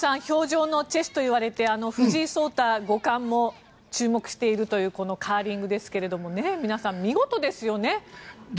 氷上のチェスといわれて藤井聡太五冠も注目しているというこのカーリングですが皆さん、見事ですよね。